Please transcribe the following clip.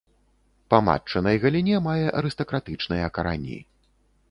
Па матчынай галіне мае арыстакратычныя карані.